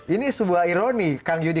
ini sebuah ironi kang yudi